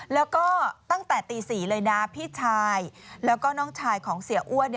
แล้วก็ตั้งแต่ตี๔เลยนะพี่ชายแล้วก็น้องชายของเสียอ้วน